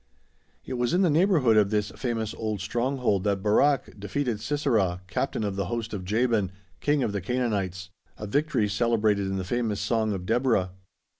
It was in the neighbourhood of this famous old stronghold that Barak defeated Sisera, captain of the host of Jaban, king of the Canaanites a victory celebrated in the famous song of Deborah.